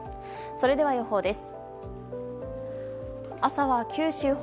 それでは予報です。